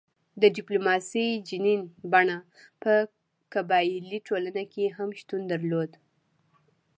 د ډیپلوماسي جنین بڼه په قبایلي ټولنه کې هم شتون درلود